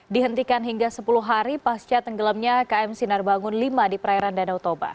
dihentikan hingga sepuluh hari pasca tenggelamnya km sinar bangun v di perairan danau toba